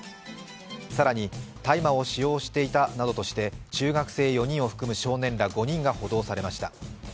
更に大麻を使用していたなどとして中学生４人を含む少年ら５人が補導されました。